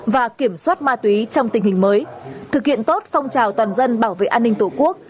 và kiểm soát ma túy trong tình hình mới thực hiện tốt phong trào toàn dân bảo vệ an ninh tổ quốc